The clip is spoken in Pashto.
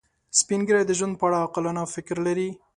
سپین ږیری د ژوند په اړه عاقلانه فکر لري